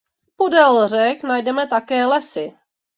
Podél řek najdeme také lesy.